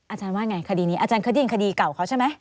อาจารย์ว่าไงคดีนี้อาจารย์เคยได้ยินคดีเก่าเขาใช่ไหม